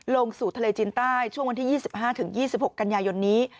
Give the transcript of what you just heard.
ลงสู่ทะเลจีนใต้ช่วงวันที่๒๕๒๖กันยายนนี้